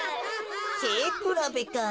せいくらべか。